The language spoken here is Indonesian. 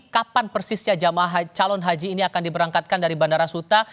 kapan persisnya jemaah calon haji ini akan diberangkatkan dari bandara suta